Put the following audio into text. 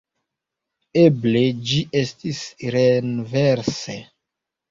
Eble ĝi estis renverse.